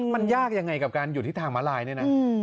มันยากยังไงกับการอยู่ที่ทางม้าลายเนี่ยนะ